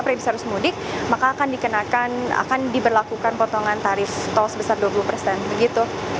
prediksi arus mudik maka akan dikenakan akan diberlakukan potongan tarif tol sebesar dua puluh begitu